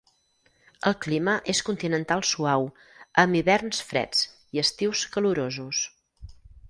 El clima és continental suau, amb hiverns freds i estius calorosos.